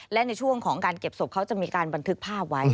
และในช่วงของการเก็บศพเขาจะมีการบันทึกภาพไว้